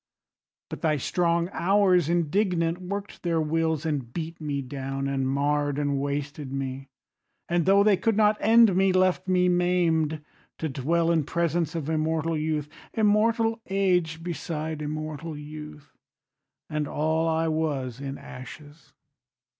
But thy strong Hours indignant work'd their wills, And beat me down and marr'd and wasted me, And tho' they could not end me, left me maim'd To dwell in presence of immortal youth, Immortal age beside immortal youth, And all I was, in ashes.